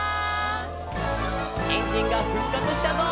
「エンジンが復活したぞ！」